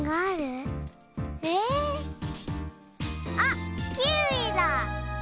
あっキウイだ！